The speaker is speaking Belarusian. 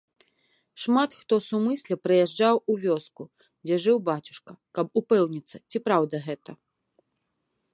Шмат хто сумысля прыязджаў у вёску, дзе жыў бацюшка, каб упэўніцца, ці праўда гэта.